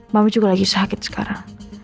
mama juga lagi sakit sekarang